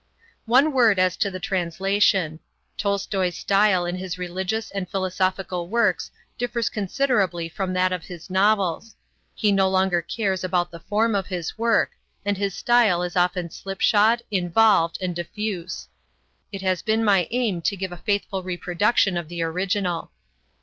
One word as to the translation. Tolstoi's style in his religious and philosophical works differs considerably from that of his novels. He no longer cares about the form of his work, and his style is often slipshod, involved, and diffuse. It has been my aim to give a faithful reproduction of the original.